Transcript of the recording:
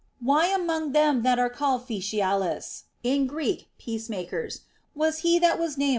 Why among them that were called Fe ciales (in Greek, peace makers) was he that was named * U.